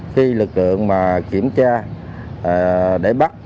khi lực lượng mà kiểm tra để bắt